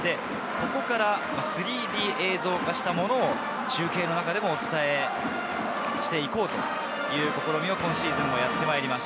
ここから３Ｄ映像化したものを中継の中でも、お伝えして行こうという試みを今シーズンはやってまいります。